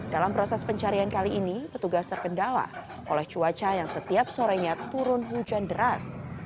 dalam proses pencarian kali ini petugas terkendala oleh cuaca yang setiap sorenya turun hujan deras